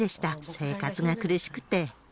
生活が苦しくて。